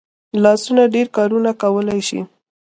لاسونه ډېر کارونه کولی شي